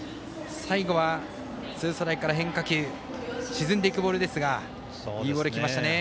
最後はツーストライクから変化球沈んでいくボールですがいいボールがきましたね。